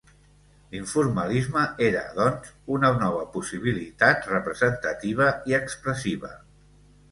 L'informalisme era, doncs, una nova possibilitat representativa i expressiva.